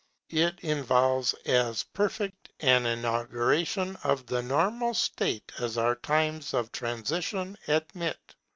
It involves as perfect an inauguration of the normal state as our times of transition admit.